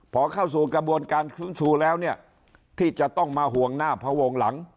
พอเข้าสู่กระบวนการฟื้นฟูแล้วเนี่ยที่จะต้องมาห่วงหน้าพระวงหลัง